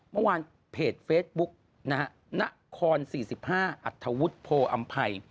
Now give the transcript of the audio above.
เมื่อวานเพจเฟซบุ๊กนะฮะนคร๔๕อัธวุฒิโพออำภัย